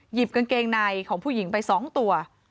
กางเกงในของผู้หญิงไป๒ตัว